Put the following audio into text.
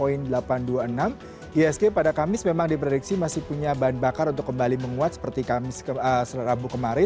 isg pada kamis memang diprediksi masih punya bahan bakar untuk kembali menguat seperti rabu kemarin